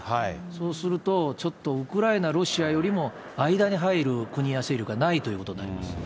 そうすると、ちょっとウクライナ、ロシアよりも間に入る国や勢力がないということになりますよね。